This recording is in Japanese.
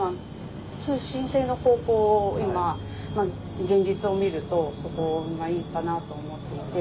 通信制の高校を今現実を見るとそこがいいかなと思っていて。